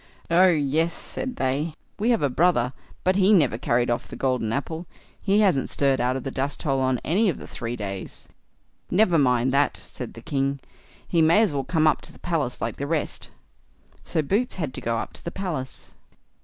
"Oh, yes", said they; "we have a brother, but he never carried off the golden apple. He hasn't stirred out of the dusthole on any of the three days." "Never mind that", said the king; "he may as well come up to the palace like the rest." So Boots had to go up to the palace.